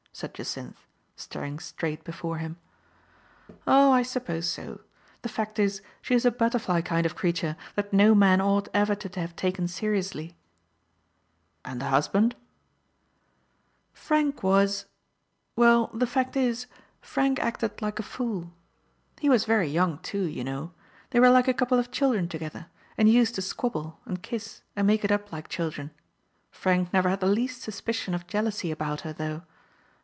'* said Jacynth, star ing straight before him. " Oh, I suppose' so. The fact is, she is a butter fly kind of creature that no man ought ever to have taken seriously." Digitized by Google PRANCES ELEANOR TROLLOPE, 35 "And the husband "" Frank was — ^well, the fact is, Frank acted like a fool. He was very young, too, you know. They were like a couple of children together, and used to squabble, and kiss, and make it up like children. Frank never had the least suspicion of jealousy about her, though.